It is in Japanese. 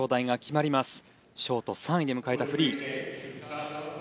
ショート３位で迎えたフリー。